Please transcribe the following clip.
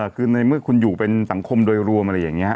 คือในเมื่อคุณอยู่เป็นสังคมโดยรวมอะไรอย่างนี้